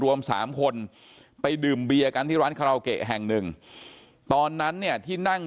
รวม๓คนไปดื่มเบียร์กันที่ร้านคาราโอเกะแห่งหนึ่งตอนนั้นเนี่ยที่นั่ง